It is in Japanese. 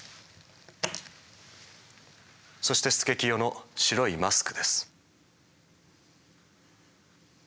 そして佐清の白いマスクです。